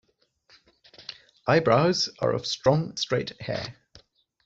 Eyebrows are of strong, straight hair.